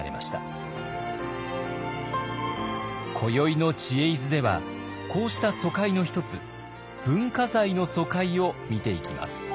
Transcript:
今宵の「知恵泉」ではこうした疎開の一つ文化財の疎開を見ていきます。